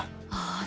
ああ